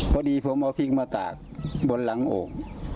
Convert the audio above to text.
พอดีผมเอาพริกมาตากบนหลังโอ่ง